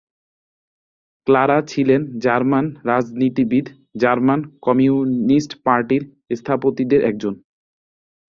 Clara ছিলেন German রাজনীতিবিদ; German communist পার্টির স্থপতিদের একজন।